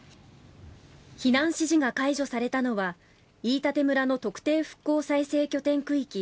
避難指示が解除されたのは飯舘村の特定復興再生拠点区域